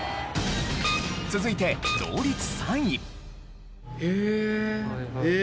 続いて同率３位。